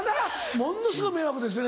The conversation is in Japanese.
ものすごい迷惑ですよね